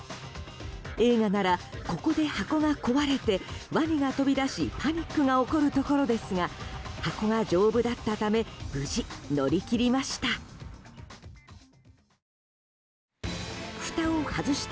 映画ならここで箱が壊れてワニが飛び出しパニックが起こるところですが箱が丈夫だったため無事、乗り切りました。